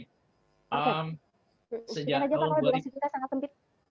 oke berikan aja pak fani berasid kita sangat sempit